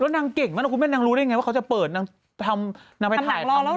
แล้วนางเก่งมากคุณแม่นางรู้ได้อย่างไรว่าเขาจะเปิดนางไปถ่ายทำใหม่